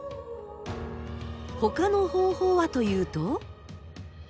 他の方法はというと？